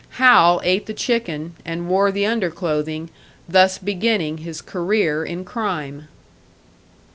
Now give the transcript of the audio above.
Hal ate the chicken, and wore the underclothing, thus beginning his career in crime.